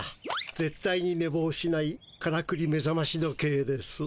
ぜっ対にねぼうしないからくりめざまし時計です。